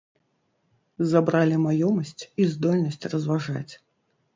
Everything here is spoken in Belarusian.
Забралі маёмасць і здольнасць разважаць.